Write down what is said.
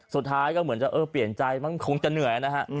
สุดท้ายก็เหมือนจะเออเปลี่ยนใจมั้งคงจะเหนื่อยนะฮะ